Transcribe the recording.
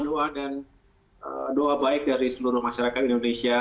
doa dan doa baik dari seluruh masyarakat indonesia